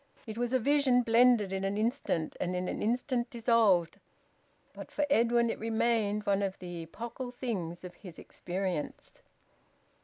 It was a vision blended in an instant and in an instant dissolved, but for Edwin it remained one of the epochal things of his experience.